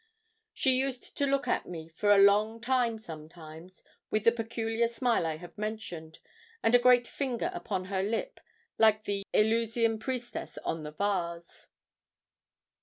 She used to look at me for a long time sometimes, with the peculiar smile I have mentioned, and a great finger upon her lip, like the Eleusinian priestess on the vase.